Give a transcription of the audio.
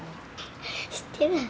知ってるわ。